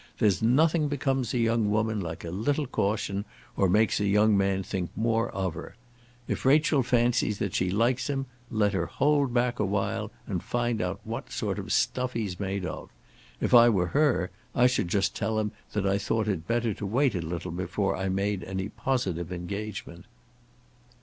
There's nothing becomes a young woman like a little caution, or makes a young man think more of her. If Rachel fancies that she likes him let her hold back a while and find out what sort of stuff he's made of. If I were her I should just tell him that I thought it better to wait a little before I made any positive engagement."